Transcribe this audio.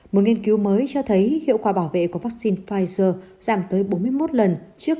một nghiên cứu mới cho thấy hiệu quả bảo vệ của vaccine pfizer giảm tới bốn mươi một lần trước